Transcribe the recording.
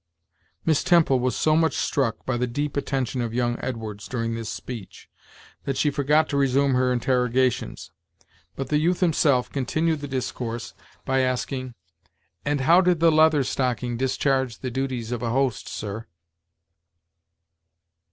Miss Temple was so much struck by the deep attention of young Edwards during this speech that she forgot to resume her interrogations; but the youth himself continued the discourse by asking: "And how did the Leather Stocking discharge the duties of a host sir?"